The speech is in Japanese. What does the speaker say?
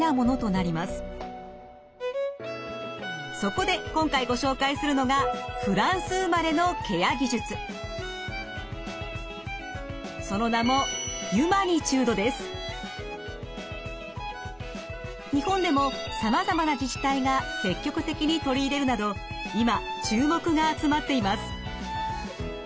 そこで今回ご紹介するのがその名も日本でもさまざまな自治体が積極的に取り入れるなど今注目が集まっています。